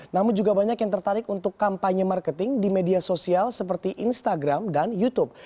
namun juga banyak yang tertarik untuk kampanye marketing di media sosial seperti instagram dan youtube